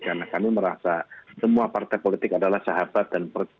karena kami merasa semua partai politik adalah sahabat dan